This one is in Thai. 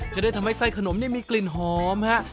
จะได้ทำให้ไส้ขนมนี่มีกลิ่นหอมฮะ